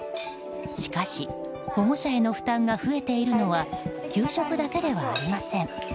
しかし、保護者への負担が増えているのは給食だけではありません。